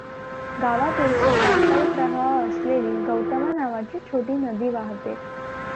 गावातून एक पावसाळी प्रवाह असलेली गौतमा नावाची छोटी नदी वाहते.